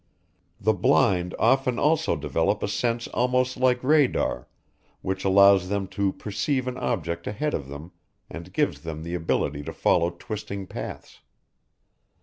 The blind often also develop a sense almost like radar which allows them to perceive an object ahead of them and gives them the ability to follow twisting paths.